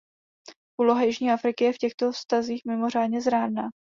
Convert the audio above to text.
Úloha Jižní Afriky je v těchto vztazích mimořádně zrádná.